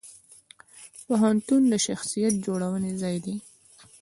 پوهنتون د شخصیت جوړونې ځای دی.